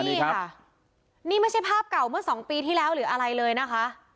นี่ค่ะนี่ไม่ใช่ภาพเก่าเมื่อสองปีที่แล้วหรืออะไรเลยนะคะ